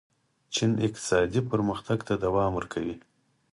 چین اقتصادي پرمختګ ته دوام ورکوي.